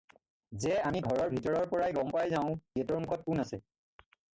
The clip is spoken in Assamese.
যে আমি ঘৰৰ ভিতৰৰ পৰাই গম পাই যাওঁ গেটৰ মুখত কোন আছে।